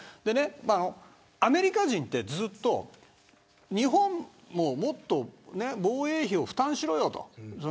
アメリカ人はずっと日本ももっと防衛費を負担しろと。